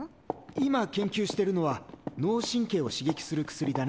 今研究してるのは脳神経を刺激する薬だね。